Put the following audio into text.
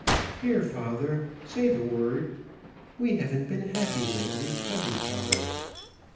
Dear father, say the word. We haven't been happy lately; have we, father?"